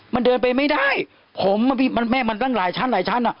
มันเดินไปไม่ได้ผมแม่มันตั้งหลายชั้นอ่ะ